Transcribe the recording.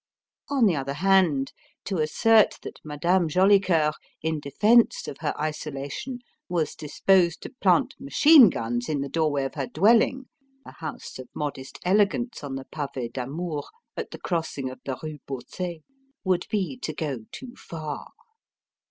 On the other hand, to assert that Madame Jolicoeur, in defence of her isolation, was disposed to plant machine guns in the doorway of her dwelling a house of modest elegance on the Pavé d'Amour, at the crossing of the Rue Bausset would be to go too far.